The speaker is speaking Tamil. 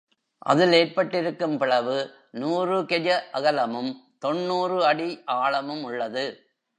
அதில் ஏற்பட்டிருக்கும் பிளவு நூறு கெஜ அகலமும் தொன்னூறு அடி ஆழமும் உள்ளது.